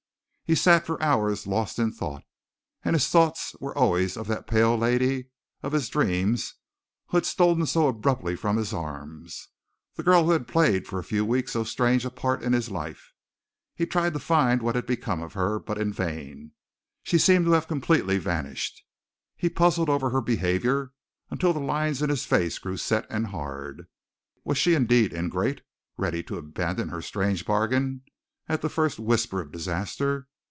He sat for hours lost in thought, and his thoughts were always of that pale lady of his dreams who had stolen so abruptly from his arms, the girl who had played for a few weeks so strange a part in his life. He tried to find what had become of her, but in vain; she seemed to have completely vanished. He puzzled over her behavior until the lines in his face grew set and hard. Was she indeed ingrate ready to abandon her strange bargain at the first whisper of disaster?